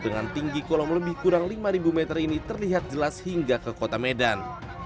dengan tinggi kolom lebih kurang lima meter ini terlihat jelas hingga ke kota medan